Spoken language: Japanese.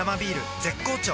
絶好調